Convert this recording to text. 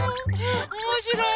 おもしろい？